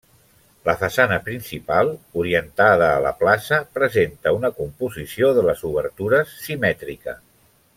La façana principal, orientada a la plaça, presenta una composició de les obertures simètrica.